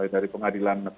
dari pengadilan negara